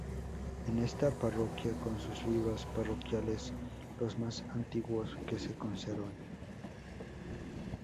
En esta Parroquia son sus libros parroquiales los más antiguos que se conservan.